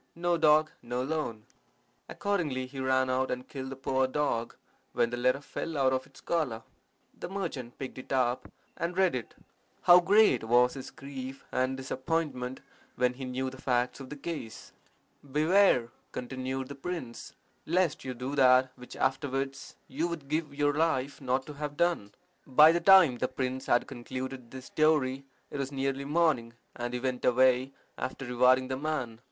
No dog, no loan.' Accordingly he ran out and killed the poor dog, when the letter fell out of its collar. The merchant picked it up and read it. How great was his grief and disappointment when he knew the facts of the case! "Beware," continued the prince, "lest you do that which afterwards you would give your life not to have done." By the time the prince had concluded this story it was nearly morning, and he went away, after rewarding the man.